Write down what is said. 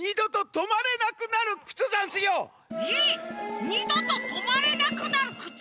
えっ？にどととまれなくなるくつ！？